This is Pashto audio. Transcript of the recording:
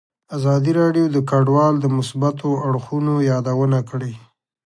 ازادي راډیو د کډوال د مثبتو اړخونو یادونه کړې.